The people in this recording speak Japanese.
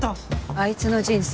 あいつの人生